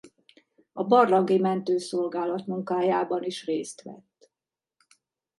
A Barlangi Mentőszolgálat munkájában is részt vett.